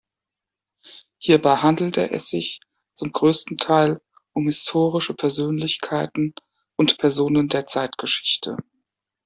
Hierbei handelte es sich zum größten Teil um historische Persönlichkeiten und Personen der Zeitgeschichte.